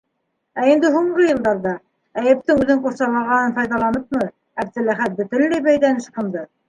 Ә инде һуңғы йылдарҙа, Әйүптең үҙен ҡурсалағанынан файҙаланыпмы, Әптеләхәт бөтөнләй бәйҙән ысҡынды.